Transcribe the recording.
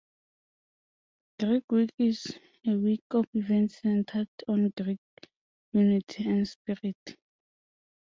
Greek Week is a week of events centered on Greek unity and spirit.